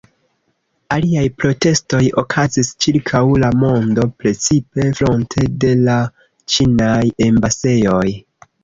Aliaj protestoj okazis ĉirkaŭ la mondo, precipe fronte de la ĉinaj embasejoj.